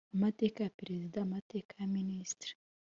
amateka ya Perezida amateka ya Minisitiri